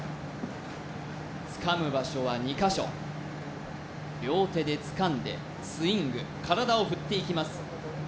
つかむ場所は２カ所両手でつかんでスイング体を振っていきます